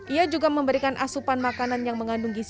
ia juga memberikan asupan makanan yang mengandungnya